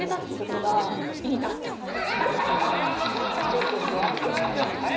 ちょっとわかんないっすわ。